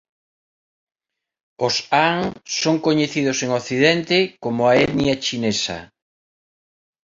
Os Han son coñecidos en Occidente como a etnia chinesa.